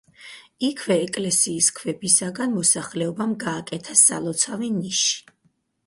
იქვე, ეკლესიის ქვებისაგან მოსახლეობამ გააკეთა სალოცავი ნიში.